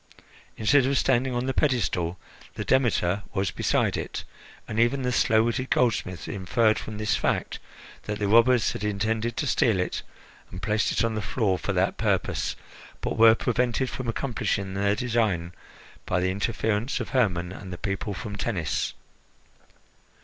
Instead of standing on the pedestal, the Demeter was beside it, and even the slow witted goldsmith inferred from this fact that the robbers had intended to steal it and placed it on the floor for that purpose, but were prevented from accomplishing their design by the interference of Hermon and the people from Tennis.